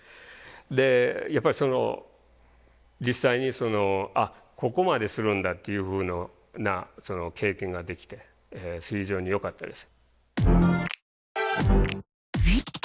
でやっぱりその実際にここまでするんだっていうふうな経験ができて非常によかったです。